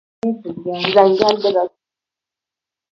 ځنګل د راتلونکې پانګه ده.